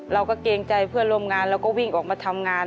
เกรงใจเพื่อนร่วมงานเราก็วิ่งออกมาทำงาน